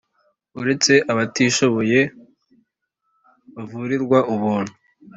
uretse abatishoboye bavurirwa ubuntu.